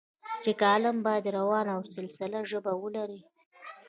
چې کالم باید روانه او سلیسه ژبه ولري.